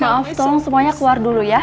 maaf tolong semuanya keluar dulu ya